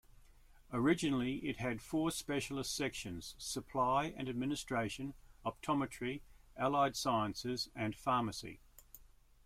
Originally it had four specialist sections: Supply and Administration, Optometry, Allied Sciences, and Pharmacy.